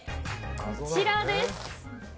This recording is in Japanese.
こちらです。